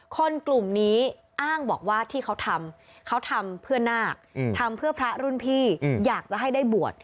คนกลุ่มนี้อ้างบอกว่าที่เขาทำเขาทำเพื่อนาคทำเพื่อพระรุ่นพี่อยากจะให้ได้บวช